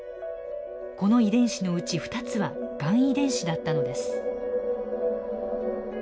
この遺伝子のうち２つはがん遺伝子だったのです。